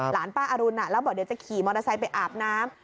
หลานป้าอรุณแล้วบอกเดี๋ยวจะขี่มอเตอร์ไซค์ไปอาบน้ำ